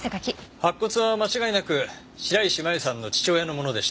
白骨は間違いなく白石麻由さんの父親のものでした。